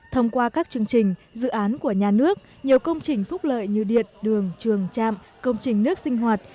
thông qua các chương trình dự án của nhà nước nhiều công trình phúc lợi như điện đường trường trạm công trình nước sinh hoạt